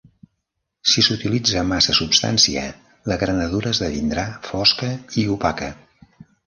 Si s'utilitza massa substància, la granadura esdevindrà fosca i opaca.